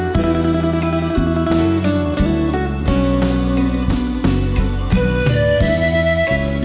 เก๋ฟังเลยครับ